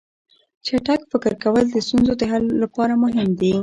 چټک فکر کول د ستونزو د حل لپاره مهم دي.